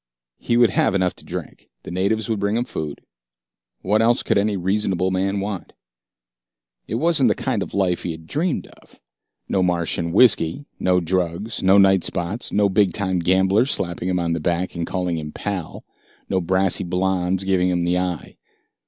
He would have enough to drink. The natives would bring him food. What else could any reasonable man want? It wasn't the kind of life he had dreamed of. No Martian whiskey, no drugs, no night spots, no bigtime gamblers slapping him on the back and calling him "pal," no brassy blondes giving him the eye.